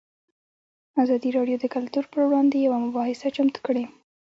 ازادي راډیو د کلتور پر وړاندې یوه مباحثه چمتو کړې.